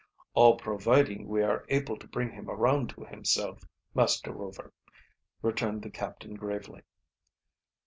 "All providing we are able to bring him around to himself, Master Rover," returned the captain gravely.